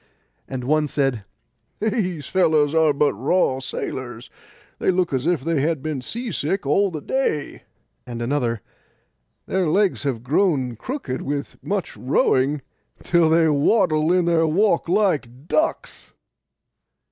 And one said, 'These fellows are but raw sailors; they look as if they had been sea sick all the day.' And another, 'Their legs have grown crooked with much rowing, till they waddle in their walk like ducks.